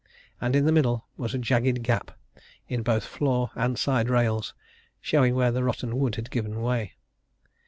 And in the middle was a jagged gap in both floor and side rails, showing where the rotten wood had given way.